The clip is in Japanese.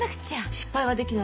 失敗はできないのよ。